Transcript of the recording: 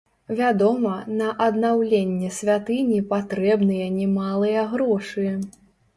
Вядома, на аднаўленне святыні патрэбныя немалыя грошы.